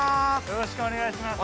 ◆よろしくお願いします。